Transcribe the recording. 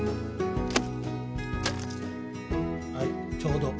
はいちょうど。